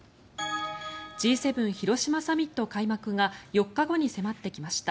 Ｇ７広島サミット開幕が４日後に迫ってきました。